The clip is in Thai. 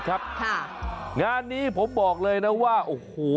ครับค่ะงานนี้ผมบอกเลยนะว่าโอ้โห